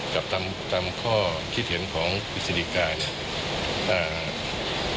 กับตามข้อคิดเห็นของปริศนิกาเนี่ย